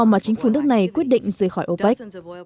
mà chính phủ nước này quyết định rời khỏi opec